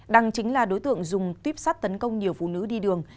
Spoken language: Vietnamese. đăng chính là đối tượng dùng tuyếp sắt tấn công nhiều phụ nữ đi đường